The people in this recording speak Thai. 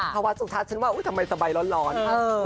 เข้าวัดสุดท้ายฉันว่าอุ๊ยทำไมสบายร้อนค่ะ